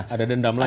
ada dendam lagi